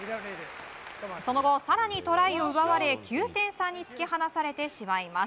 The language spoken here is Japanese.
その後、更にトライを奪われ９点差に突き放されてしまいます。